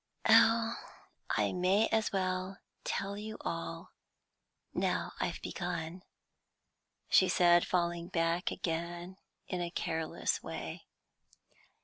"Oh, I may as well tell you all, now I've begun," she said, falling back again in a careless way.